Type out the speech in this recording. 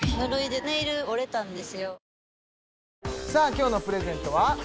今日のプレゼントは？